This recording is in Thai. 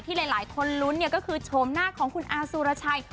ที่หลายคนรุ้นก็คือชมหน้าของคุณอาสุรชัย